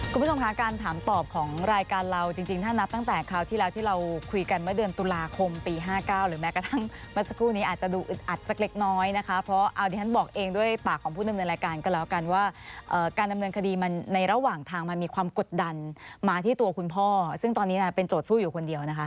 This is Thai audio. การทำเนินคดีมันในระหว่างทางมันมีความกดดันมาที่ตัวคุณพ่อซึ่งตอนนี้เป็นโจทย์ชู้อยู่คนเดียวนะคะ